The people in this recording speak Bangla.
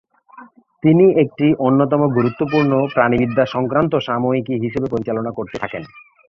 তিনি একটি অন্যতম গুরুত্বপূর্ণ প্রাণিবিদ্যা সংক্রান্ত সাময়িকী হিসেবে পরিচালনা করতে থাকেন।